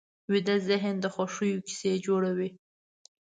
ویده ذهن د خوښیو کیسې جوړوي